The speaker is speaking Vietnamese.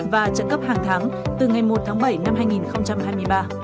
và trợ cấp hàng tháng từ ngày một tháng bảy năm hai nghìn hai mươi ba